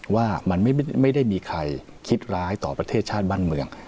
ว่ามันไม่ได้มีใครคิดร้ายต่อประเทศชาติบ้านเมือง